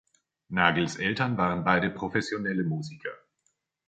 Nagels Eltern waren beide professionelle Musiker.